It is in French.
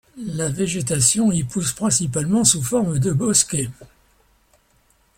La végétation y pousse principalement sous forme de bosquets.